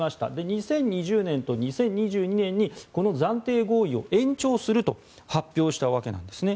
２０２０年と２０２２年にこの暫定合意を延長すると発表したわけなんですね。